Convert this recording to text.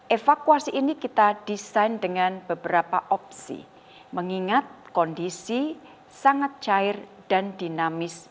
evakuasi ini kita desain dengan beberapa opsi mengingat kondisi sangat cair dan dinamis